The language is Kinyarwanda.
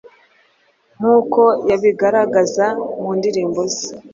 nk’uko yabigaragazaga mu ndirimbo ze.